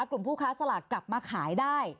กลุ่มผู้ค้าสลากกลับมาขายได้